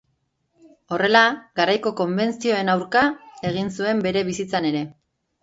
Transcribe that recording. Horrela, garaiko konbentzioen aurka egin zuen bere bizitzan ere.